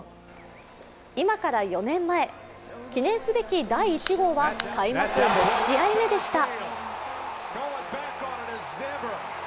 今から４年前、記念すべき第１号は開幕６試合目でした。